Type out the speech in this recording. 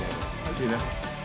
いいね。